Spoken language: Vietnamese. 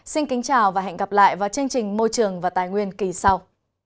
xin kính chào và hẹn gặp lại vào chương trình môi trường và tài nguyên kỳ sau